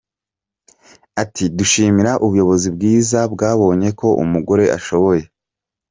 Ati “Dushimira ubuyobozi bwiza bwabonye ko umugore ashoboye.